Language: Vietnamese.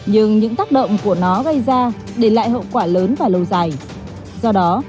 nhưng những tác động của nó gây ra để lại hậu quả lớn và lâu dài do đó